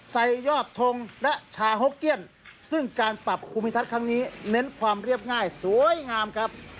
ยอดทงและชาหกเกี้ยนซึ่งการปรับภูมิทัศน์ครั้งนี้เน้นความเรียบง่ายสวยงามครับ